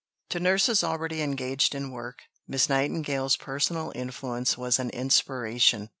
To nurses already engaged in work, Miss Nightingale's personal influence was an inspiration.